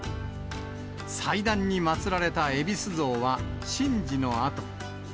祭壇にまつられたえびす像は、神事のあと。